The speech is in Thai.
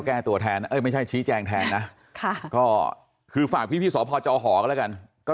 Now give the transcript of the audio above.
เขาก็เงียบมาขับรถผ่านก็ด่าน้องผม